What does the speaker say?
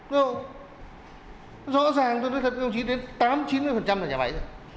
rõ ràng tôi nói thật chỉ đến tám chín là nhà máy